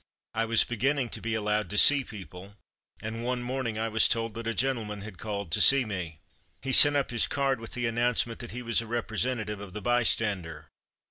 I was beginning to be allowed to see people, and one morning I was told that a gentleman had called to see me. He sent up his card, with the announcement that he was a representa tive of the Bystander.